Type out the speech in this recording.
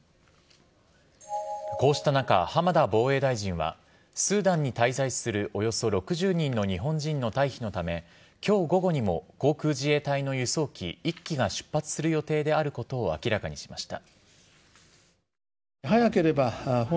こうした中、浜田防衛大臣はスーダンに滞在するおよそ６０人の日本人の退避のため今日午後にも航空自衛隊の輸送機１機が出発する予定であることを明らかにしました。